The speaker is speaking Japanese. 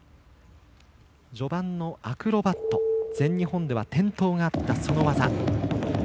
序盤のアクロバット全日本では転倒があった技。